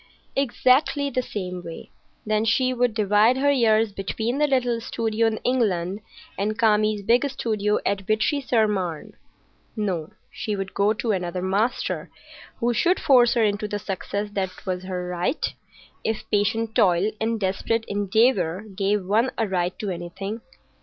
Exactly the same way. Then she would divide her years between the little studio in England and Kami's big studio at Vitry sur Marne. No, she would go to another master, who should force her into the success that was her right, if patient toil and desperate endeavour gave one a right to anything.